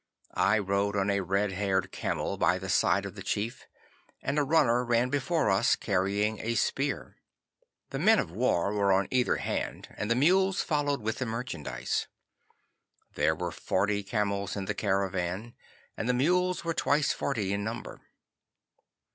I rode on a red haired camel by the side of the chief, and a runner ran before us carrying a spear. The men of war were on either hand, and the mules followed with the merchandise. There were forty camels in the caravan, and the mules were twice forty in number.